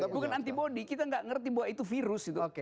bukan antibody kita gak ngerti bahwa itu virus